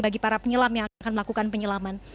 bagi para penyelam yang akan melakukan penyelaman